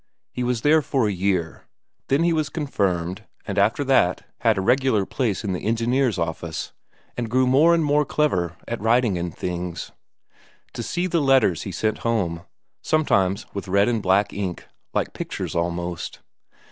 He was there for a year, then he was confirmed, and after that had a regular place in the engineer's office, and grew more and more clever at writing and things. To see the letters he sent home sometimes with red and black ink, like pictures almost.